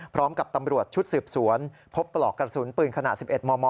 ตำรวจชุดสืบสวนพบปลอกกระสุนปืนขนาด๑๑มม